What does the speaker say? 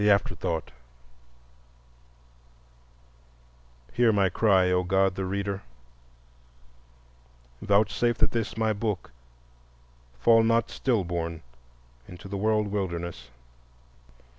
The Afterthought Hear my cry, O God the Reader; vouchsafe that this my book fall not still born into the world wilderness.